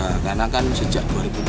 karena kan sejak dua ribu enam